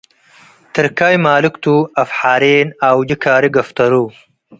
ትርካይ ማልክቱ አፍ-ሓሬን ኣውጂ ካሪ ገፍተሩ